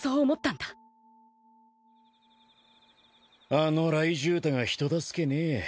あの雷十太が人助けねぇ。